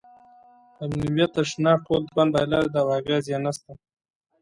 قبیلویت د شناخت ټول توان بایللی دی او اغېز یې نشته.